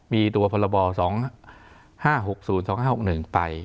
มีตัวพรบ๒๕๖๐๒๕๖๑ไป